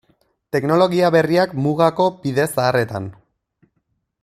Teknologia berriak mugako bide zaharretan.